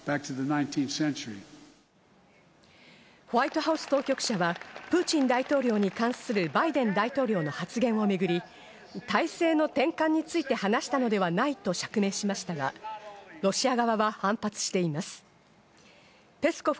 ホワイトハウス当局者は、プーチン大統領に関するバイデン大統領の発言をめぐり、体制の転換について話したのではないと釈明しましたが、ロシア側は反発しています。